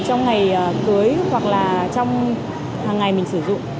trong ngày cưới hoặc là trong hàng ngày mình sử dụng